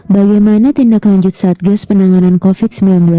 bagaimana tindak lanjut satgas penanganan covid sembilan belas